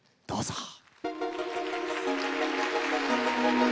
どうぞ。